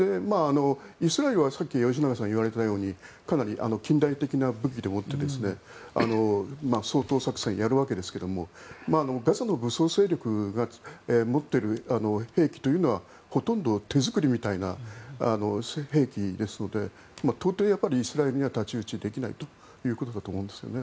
イスラエルはさっき吉永さんがいわれたようにかなり近代的な武器でもって掃討作戦をやるわけですがガザの武装勢力が持っている兵器というのはほとんど手作りみたいな兵器ですので到底、イスラエルには太刀打ちできないということだと思うんですよね。